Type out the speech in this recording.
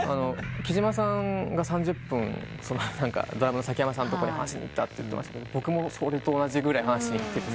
木島さんが３０分ドラムの山さんとこに話しに行ったと言ってましたが僕もそれと同じぐらい話しに。